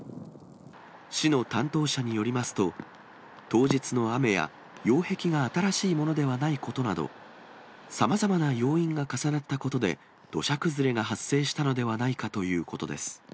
市の担当者によりますと、当日の雨や擁壁が新しいものではないことなど、さまざまな要因が重なったことで、土砂崩れが発生したのではないかということです。